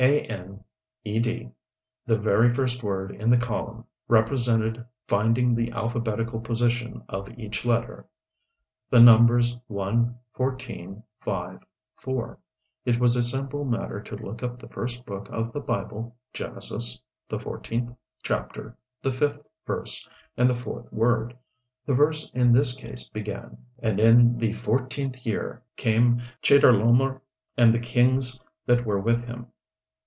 "Aned," the very first word in the column, represented finding the alphabetical position of each letter the numbers 1 14 5 4. It was a simple matter to look up the first book of the Bible, Genesis, the fourteenth chapter, the fifth verse, and the fourth word. The verse in this case began: "And in the fourteenth year came Chedorlaomer, and the kings that were with him."